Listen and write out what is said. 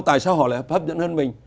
tại sao họ lại hấp dẫn hơn mình